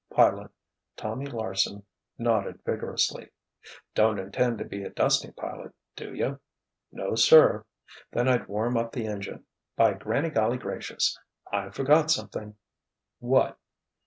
Pilot Tommy Larsen nodded vigorously. "Don't intend to be a dusting pilot, do you?" "No, sir. Then I'd warm up the engine—by granny golly gracious! I forgot something——" "What?"